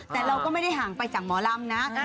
แต่เราก็ไม่ได้ห่างไปจากหมอลำนะ